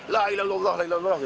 la ilah allah la ilah allah gitu